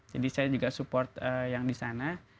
jadi saya juga support yang di sana